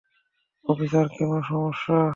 Officer, কোনো সমস্যা?